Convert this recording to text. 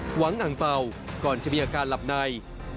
หวังอังเป่าก่อนจะมีอาการหลับใน